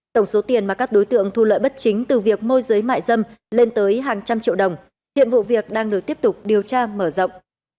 tổng số tiền mà các đối tượng thu lợi bất chính từ việc môi giới mại dâm lên tới hàng trăm triệu đồng hiện vụ việc đang được tiếp tục điều tra mở rộng